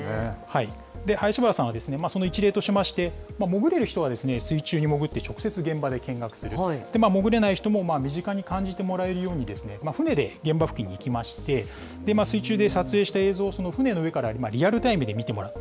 林原さんは、その一例としまして、潜れる人は水中に潜って、直接現場で見学する、潜れない人も身近に感じてもらえるように、船で現場付近に行きまして、水中で撮影した映像をその船の上からリアルタイムで見てもらう。